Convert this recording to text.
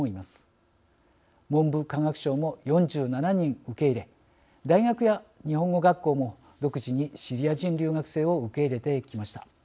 文部科学省も４７人受け入れ大学や日本語学校も独自にシリア人留学生を受け入れてきました。